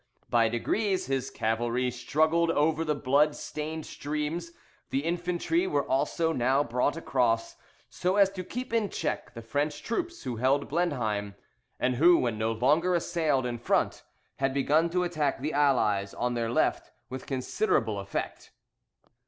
By degrees, his cavalry struggled over the blood stained streams; the infantry were also now brought across, so as to keep in check the French troops who held Blenheim, and who, when no longer assailed in front, had begun to attack the Allies on their left with considerable effect.